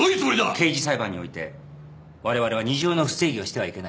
刑事裁判においてわれわれは二重の不正義をしてはいけない。